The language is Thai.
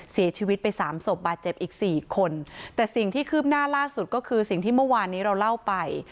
เสียชีวิตไปสามศพบาดเจ็บอีกสี่คนแต่สิ่งที่คืบหน้าล่าสุดก็คือสิ่งที่เมื่อวานนี้เราเล่าไป